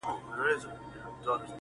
• له باران سره ملګري توند بادونه -